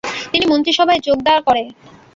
তিনি মন্ত্রীসভায় যোগদা করেন।